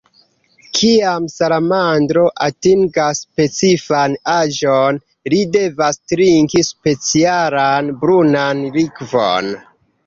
Kiam salamandro atingas specifan aĝon, ri devas trinki specialan brunan likvon.